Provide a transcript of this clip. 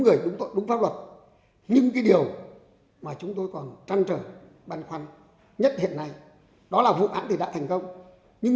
ngày một mươi bảy tháng một mươi hai năm hai nghìn một mươi tám sau khi nhận thấy đã đầy đủ căn cứ chứng minh hành vi phạm tội của các đối tượng